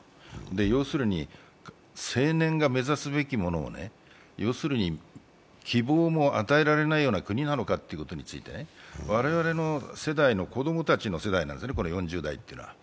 要するに、青年が目指すべきものを希望も与えられないような国なのかということについて、我々の世代の子供たちの世代なんですね、４０代というのは。